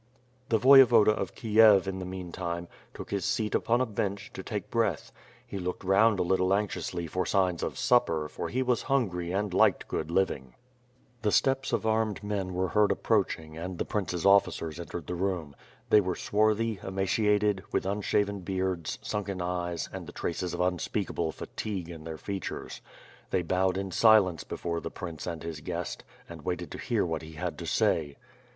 The Voyevoda of Kiev, in the meantime, took his seat upon a bench, to take breath. He looked round a little anxiously for signs of supper for he was hungry and liked good living. The steps of armed men were heard approaching and the prince's officers entered the room. They were swarthy, ema ciated, with unshaven beards, sunken eyes and the traces of unspeakable fatigue in their features. They bowed in si lence before the prince and his guest, and waited to hear what he had to say.